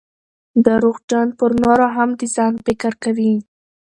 درواغجن پرنورو هم دځان فکر کوي